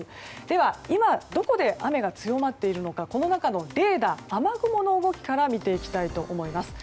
では、今どこで雨が強まっているのかこの中のレーダー雨雲の動きから見ていきたいと思います。